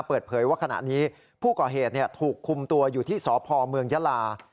เปิดเผยว่าขณะนี้ผู้ก่อเหตุถูกคุมตัวอยู่ที่สพเมืองยาลา